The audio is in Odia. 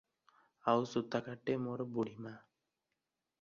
ଆଉ ସୁତା କାଟେ ମୋର ବୁଢ଼ୀ ମା ।